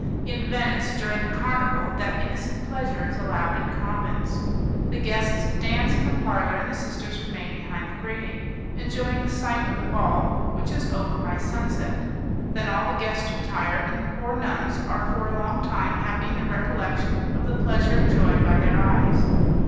In Venice, during the carnival, that innocent pleasure is allowed in convents. The guests dance in the parlour, and the sisters remain behind the grating, enjoying the sight of the ball, which is over by sunset. Then all the guests retire, and the poor nuns are for a long time happy in the recollection of the pleasure enjoyed by their eyes.